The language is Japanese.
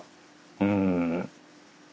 うん。